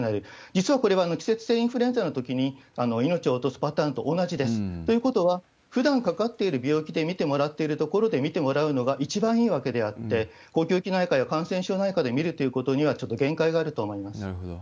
実はこれは季節性インフルエンザのときに命を落とすパターンと同じです。ということは、ふだんかかっている病気で診てもらっている所で診てもらうのが一番いいわけであって、呼吸器内科や感染症内科で見るということになるほど。